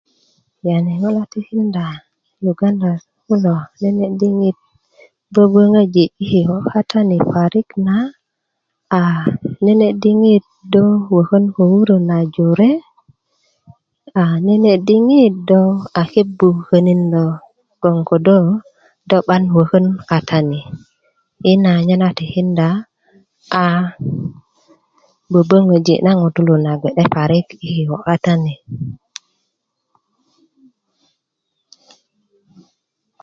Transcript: yani ŋo na tikinda uganda kulo nene diŋit boboŋöji i kikö katani parik na a nene diŋit do wókön ko wuró na jore a nene' diŋit do a kebu könin loŋ ko do do 'ban wökön katani nye na tikinda a böböŋöji' na ŋutuu na gbe'de parik i kikö kata ni